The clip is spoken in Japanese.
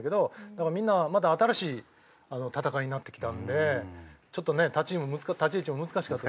だからみんなまだ新しい戦いになってきたんでちょっとね立ち位置も難しかった。